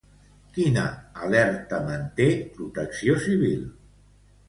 Quina alerta manté Protecció Civil?